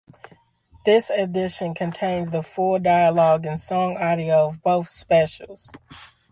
This edition contains the full dialogue and song audio of both specials.